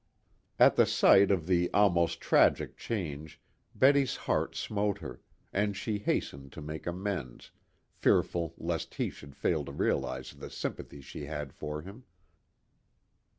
At the sight of the almost tragic change Betty's heart smote her, and she hastened to make amends, fearful lest he should fail to realize the sympathy she had for him.